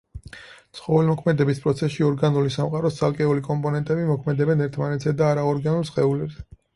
ცხოველმოქმედების პროცესში ორგანული სამყაროს ცალკეული კომპონენტები მოქმედებენ ერთმანეთზე და არაორგანულ სხეულებზე.